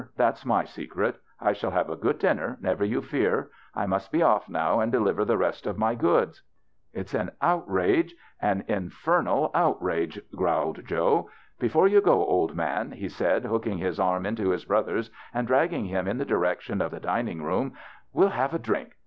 That's my secret. I shall have a good dinner, never you fear. I must be off now and deliver the rest of my goods." "It's an outrage— an infernal outrage," THE BAGHELOWS CHRISTMAS 1? growled Joe. " Before you go, old man," he said, liooking liis arm into liis brother's, and dragging him in the direction of the dining room, " we'll have a drink.